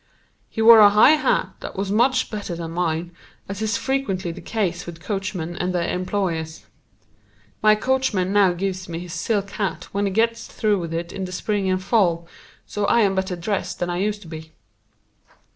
He wore a high hat that was much better than mine, as is frequently the case with coachmen and their employers. My coachman now gives me his silk hat when he gets through with it in the spring and fall, so I am better dressed than I used to be.